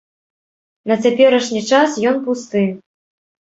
На цяперашні час ён пусты.